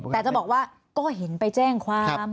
แต่จะบอกว่าก็เห็นไปแจ้งความ